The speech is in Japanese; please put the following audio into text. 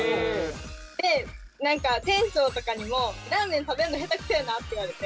で何か店長とかにも「ラーメン食べるのへたくそやな」って言われて。